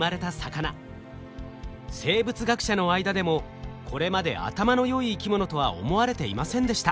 生物学者の間でもこれまで頭の良い生き物とは思われていませんでした。